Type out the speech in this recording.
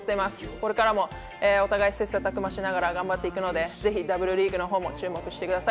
これからもお互い切磋琢磨しながら頑張っていくので、ぜひＷリーグも注目してください。